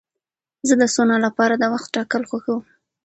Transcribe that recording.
زه د سونا لپاره د وخت ټاکل خوښوم.